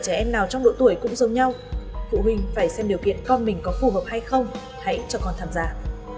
phụ huynh phải xem điều kiện con mình có phù hợp hay không hãy cho con tham gia